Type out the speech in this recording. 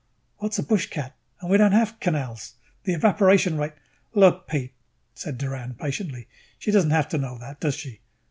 "What's a bushcat? And we don't have canals. The evaporation rate " "Look, Pete," said Doran patiently. "She don't have to know that, does she?"